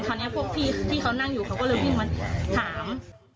พวกนี้พวกพี่ที่เขานั่งอยู่เขาก็เลยวิ่งมาถาม